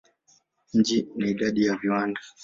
Mji ina idadi ya viwanda.